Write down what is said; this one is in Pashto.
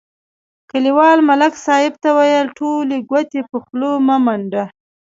کلیوال ملک صاحب ته ویل: ټولې ګوتې په خوله مه منډه.